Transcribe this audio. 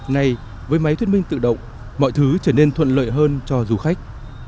nay với máy thuyết minh tự động mọi thứ trở nên thuận lợi hơn cho du khách